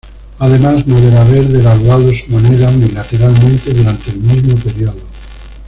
Además, no debe haber devaluado su moneda unilateralmente durante el mismo periodo.